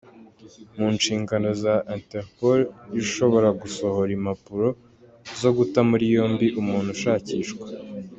Mu nshingano za Interpol, ishobora gusohora impapuro zo guta muri yombi umuntu ushakishwa.